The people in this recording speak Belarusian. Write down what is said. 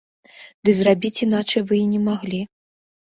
Ды зрабіць іначай вы і не маглі.